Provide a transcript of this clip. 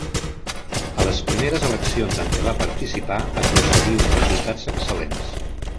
A les primeres eleccions en què va participar aconseguí uns resultats excel·lents.